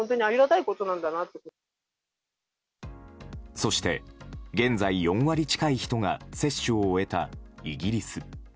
そして、現在４割近い人が接種を終えたイギリス。